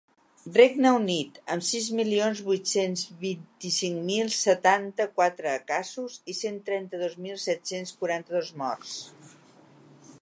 Regne Unit, amb sis milions vuit-cents vint-i-cinc mil setanta-quatre casos i cent trenta-dos mil set-cents quaranta-dos morts.